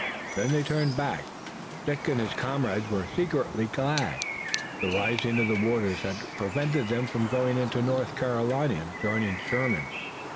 Then they turned back. Dick and his comrades were secretly glad. The rising of the waters had prevented them from going into North Carolina and joining Sherman.